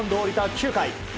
９回。